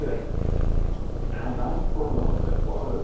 A night for love it was.